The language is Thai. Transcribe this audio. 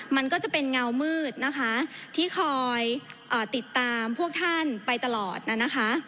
มันก็จะเป็นเงามืดนะคะที่คอยติดตามพวกท่านไปตลอดน่ะนะคะ